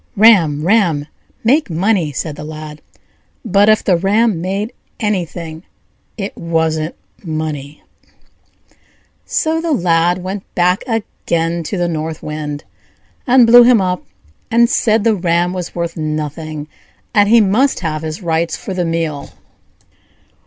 "Ram, ram! make money!" said the Lad; but if the ram made anything, it wasn't money. So the Lad went back again to the North Wind, and blew him up, and said the ram was worth nothing, and he must have his rights for the meal.